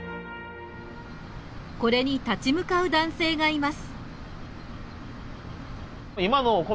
これに立ち向かう男性がいます。